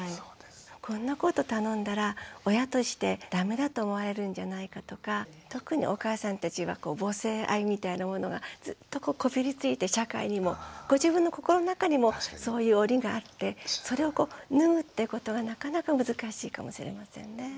こんなこと頼んだら親として駄目だと思われるんじゃないかとか特にお母さんたちは母性愛みたいなものがずっとこびりついて社会にもご自分の心の中にもそういうおりがあってそれを脱ぐってことがなかなか難しいかもしれませんね。